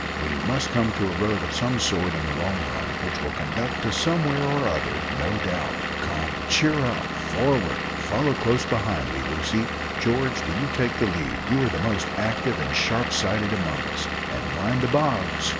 We must come to a road of some sort in the long run, which will conduct to somewhere or other, no doubt. Come, cheer up; forward! Follow close behind me, Lucy. George, do you take the lead you are the most active and sharp sighted among us; and mind the bogs."